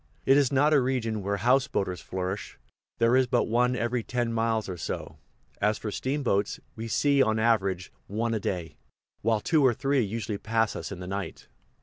It is not a region where houseboaters flourish there is but one every ten miles or so; as for steamboats, we see on an average one a day, while two or three usually pass us in the night.